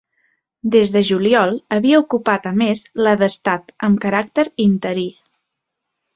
Des de juliol havia ocupat a més la d'Estat amb caràcter interí.